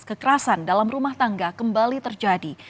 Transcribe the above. kekerasan dalam rumah tangga kembali terjadi